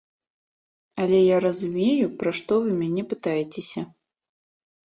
Але я разумею, пра што вы мяне пытаецеся.